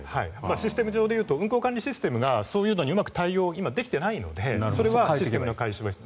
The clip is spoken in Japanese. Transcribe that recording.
システム上でいうと運行管理システムがそういうのに今、うまく対応できていないのでそれはシステムの改修が必要。